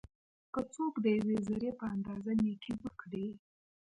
که څوک د یوې ذري په اندازه نيکي وکړي؛